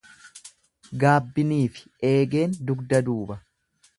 Gaabbiniifi eegeen dugda duba.